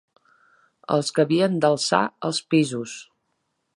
Els que havien d'alçar els pisos